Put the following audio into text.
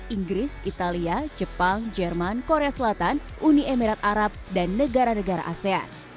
inggris italia jepang jerman korea selatan uni emirat arab dan negara negara asean